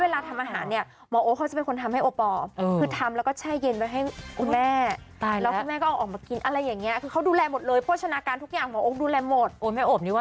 ลักษณะดีมากนะคะคุณสาว